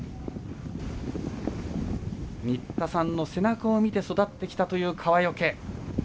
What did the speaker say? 新田さんの背中を見て育ってきたという川除。